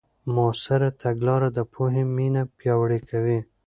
مؤثره تګلاره د پوهې مینه پیاوړې کوي.